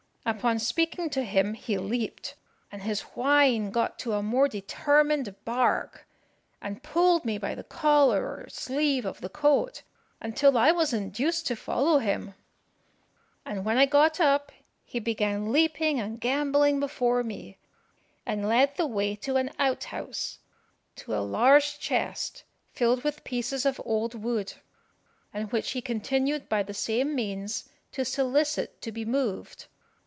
Upon speaking to him, he leaped, and his whine got to a more determined bark, and pulled me by the collar or sleeve of the coat, until I was induced to follow him; and when I got up, he began leaping and gambolling before me, and led the way to an outhouse, to a large chest filled with pieces of old wood, and which he continued by the same means to solicit to be moved.